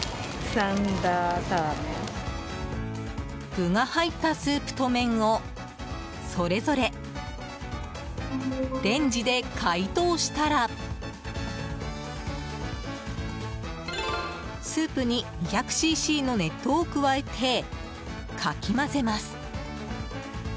具が入ったスープと麺をそれぞれレンジで解凍したらスープに２００ｃｃの熱湯を加えて、かき混ぜます。